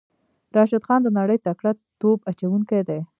راشد خان د نړۍ تکړه توپ اچوونکی دی.